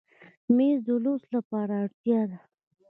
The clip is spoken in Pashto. مېز د لوست لپاره اړتیا ده.